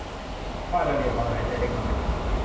ป้าดาเลียถอนหายใจเล็กน้อย